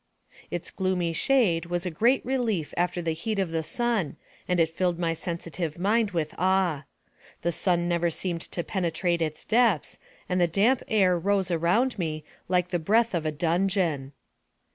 Its gloomy shade was a great relief after the heat of the sun, and it filled my sensitive mind with awe. The sun never seemed to penetrate its depths, and the damp air rose around me like the breath of a dungeon.